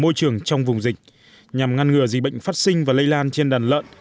môi trường trong vùng dịch nhằm ngăn ngừa dị bệnh phát sinh và lây lan trên đàn lợn